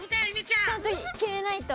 ちゃんときめないと。